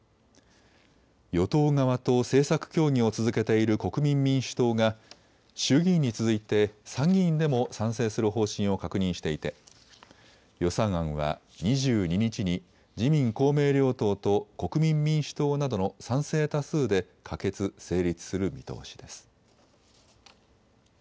与党側と政策協議を続けている国民民主党が衆議院に続いて参議院でも賛成する方針を確認していて予算案は２２日に自民公明両党と国民民主党などの賛成多数で可決・成立する見通しです。